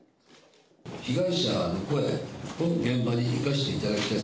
被害者の声を現場に生かしていただきたい。